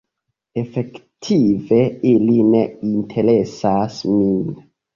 Efektive ili ne interesas min.